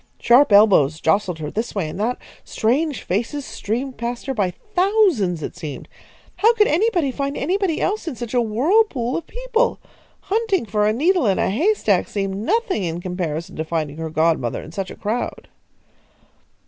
Sharp elbows jostled her this way and that; strange faces streamed past her by thousands, it seemed. How could anybody find anybody else in such a whirlpool of people? Hunting for a needle in a haystack seemed nothing in comparison to finding her godmother in such a crowd.